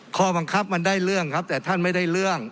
ข้อบังคับมันได้เรื่องครับแต่ท่านไม่ได้เรื่อง